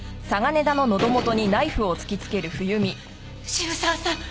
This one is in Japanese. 渋沢さん！？